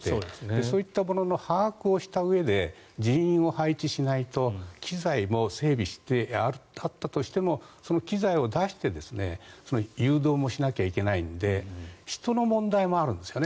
そういったものの把握をしたうえで人員を配置しないと機材も整備してあったとしてもその機材を出して誘導もしなきゃいけないので人の問題もあるんですかね。